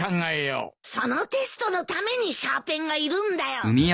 そのテストのためにシャーペンがいるんだよ。